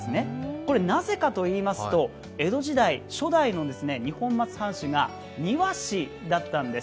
これなぜかといいますと、江戸時代、初代の二本松藩主が丹羽氏だったんです。